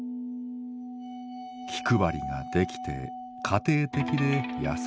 気配りができて家庭的で優しい。